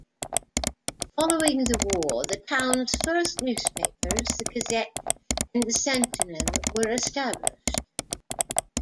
Following the war, the town's first newspapers, "The Gazette" and "The Centinel", were established.